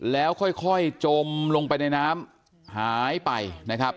แล้วค่อยจมลงไปในน้ำหายไปนะครับ